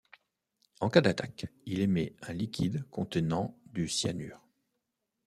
En cas d'attaque il émet un liquide contenant du cyanure.